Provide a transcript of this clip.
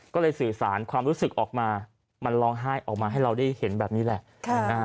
ก็เลยสื่อสารความรู้สึกออกมามันร้องไห้ออกมาให้เราได้เห็นแบบนี้แหละ